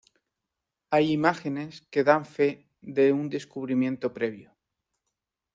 Hay imágenes que dan fe de un descubrimiento previo.